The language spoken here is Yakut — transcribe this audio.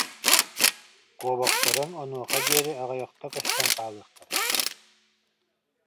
Куобахтарыҥ онуоха диэри аҕыйахта көстөн хаалыахтара